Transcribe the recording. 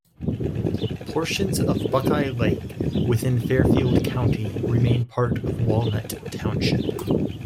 Portions of Buckeye Lake within Fairfield County remain part of Walnut Township.